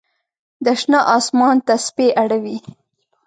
د شنه آسمان تسپې اړوي